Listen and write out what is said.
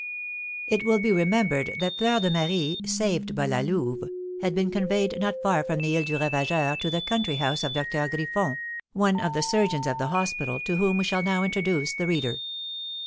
It will be remembered that Fleur de Marie, saved by La Louve, had been conveyed not far from the Isle du Ravageur to the country house of Doctor Griffon, one of the surgeons of the hospital, to whom we shall now introduce the reader.